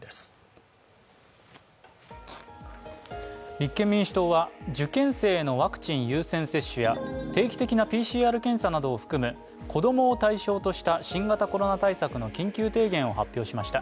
立憲民主党は受験生へのワクチン優先接種や定期的なＰＣＲ検査などを含む子供を対象とした新型コロナ対策の緊急提言を発表しました。